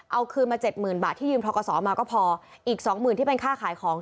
เอาคืนมาเจ็ดหมื่นบาทที่ยืมทกศมาก็พออีกสองหมื่นที่เป็นค่าขายของ